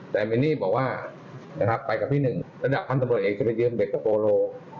แต่มินนี่บอกว่าไปกับพี่หนึ่งสำหรับพันตรวจพันตรวจเอกจะไปเยืมเด็กกับโปโล่